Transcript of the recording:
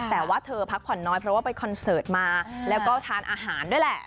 แต่ว่าเธอพักผ่อนน้อยเพราะว่าไปคอนเสิร์ตมาแล้วก็ทานอาหารด้วยแหละ